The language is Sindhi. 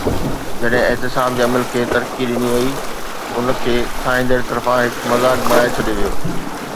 جڏهن احتساب جي عمل کي ترقي ڏني وئي، ان کي ٺاهيندڙن طرفان هڪ مذاق بڻائي ڇڏيو ويو.